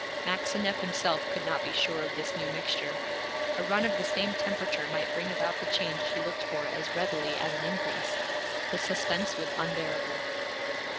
Maxineff himself could not be sure of this new mixture. A run of the same temperature might bring about the change he looked for as readily as an increase. The suspense was unbearable.